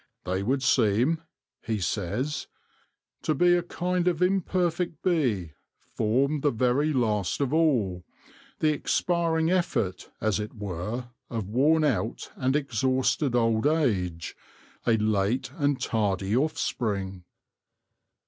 " They would seem/ 1 he says, " to be a kind of imperfect bee, formed the very last of all ; the expiring effort, as it were, of worn out and exhausted old age, a late and tardy offspring."